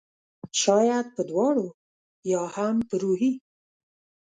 شاید په دواړو ؟ یا هم په روحي